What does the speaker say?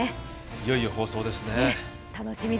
いよいよ放送ですね。